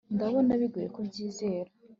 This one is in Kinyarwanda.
Ndabona bigoye kubyizera